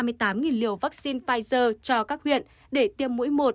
hơn một trăm ba mươi tám liều vaccine pfizer cho các huyện để tiêm mũi một